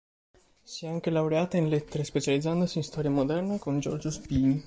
Si è anche laureata in Lettere, specializzandosi in Storia Moderna con Giorgio Spini.